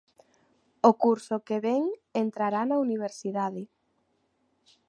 O curso que vén entrará na universidade.